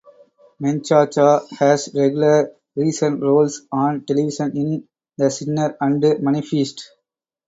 Menchaca has regular recent roles on television in "The Sinner" and "Manifest".